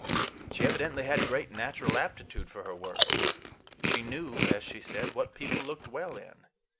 She evidently had great natural aptitude for her work. She knew, as she said, "what people looked well in."